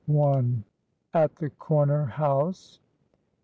AT THE CORNER HOUSE.